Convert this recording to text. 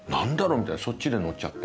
みたいなそっちでノッちゃって。